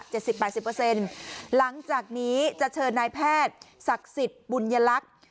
หลังจากนี้จะเชิญนายแพทย์ศักดิ์สิทธิ์บุญยลักษณ์